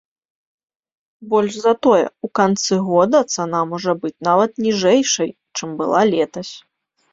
Больш за тое, у канцы года цана можа быць нават ніжэйшай, чым была летась.